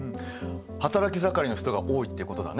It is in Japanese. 働き盛りの人が多いってことだね。